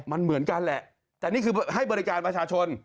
มันเหมือนกันแหละแต่นี่คือให้บริการประชาชน